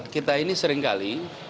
kita ini seringkali